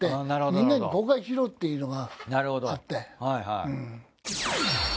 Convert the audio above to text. みんなに公開しろっていうのがあって。